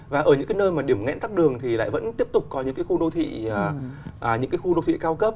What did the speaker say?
và ở những nơi mà điểm ngẽn tắt đường thì lại vẫn tiếp tục có những khu đô thị cao cấp